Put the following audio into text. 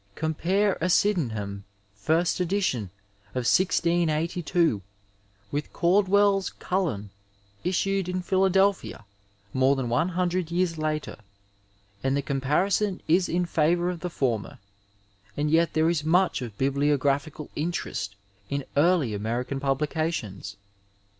Compare a Sydenham first edition of 1682 with Caklwell's Collen, iflsued in Philadelphia more than 100 years later, and the comparison is in fevour of the former ; and yet there is mnch of bibliographical interest in early American publica tions.